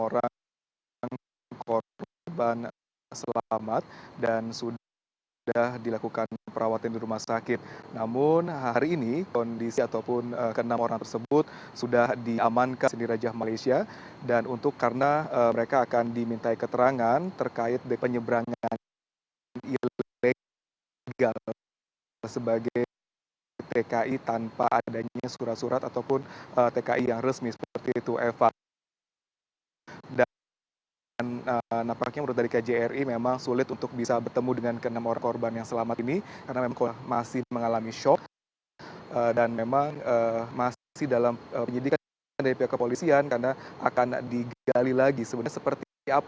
ruli bagaimana kondisi korban yang selamat